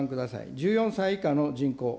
１４歳以下の人口。